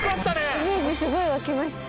イメージすごい湧きました。